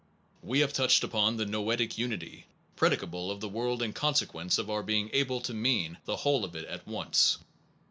We have touched on the noetic unity pre dicable of the world in consequence of our being able to mean the whole of it at once.